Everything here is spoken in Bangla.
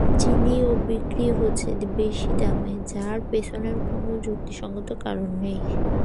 চিনিও বিক্রি হচ্ছে বেশি দামে, যার পেছনে কোনো যুক্তিসংগত কারণ নেই।